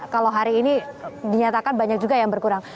kalau hari ini dinyatakan banyak juga yang berkurang